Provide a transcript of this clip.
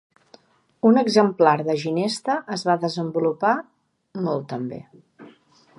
Un exemplar de ginesta es va desenvolupar molt també.